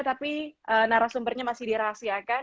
tapi narasumbernya masih dirahasiakan